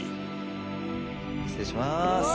失礼します。